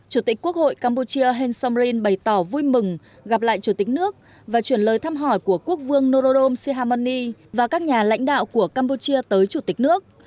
chủ tịch quốc hội campuchia hen somrin bày tỏ vui mừng gặp lại chủ tịch nước và chuyển lời thăm hỏi của quốc vương norodom sihamoni và các nhà lãnh đạo của campuchia tới chủ tịch nước